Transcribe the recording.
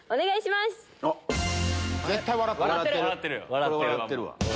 笑ってるわ。